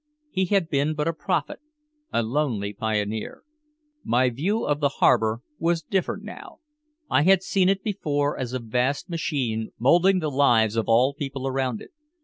He had been but a prophet, a lonely pioneer. My view of the harbor was different now. I had seen it before as a vast machine molding the lives of all people around it.